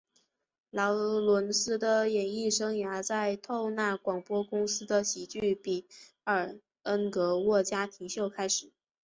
劳伦斯的演艺生涯在透纳广播公司的喜剧比尔恩格沃家庭秀开始。